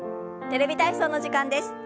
「テレビ体操」の時間です。